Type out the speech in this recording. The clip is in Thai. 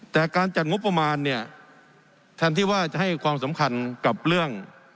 แต่การจัดงบประมาณเนี่ยแทนที่ว่าจะให้ความสำคัญกับเรื่อง